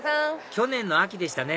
去年の秋でしたね